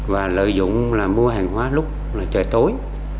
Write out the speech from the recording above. và lợi dụng là mua hàng hóa lúc là trời tối